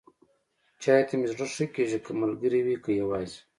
چای ته مې زړه ښه کېږي، که ملګری وي، که یواځې.